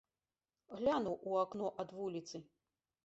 Глянуў у акно ад вуліцы.